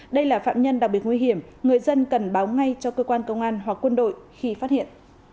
đây là phạm nhân đặc biệt nguy hiểm người dân cần báo ngay cho cơ quan công an hoặc quân đội khi phát hiện